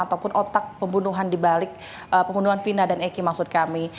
ataupun otak pembunuhan dibalik pembunuhan vina dan eki maksud kami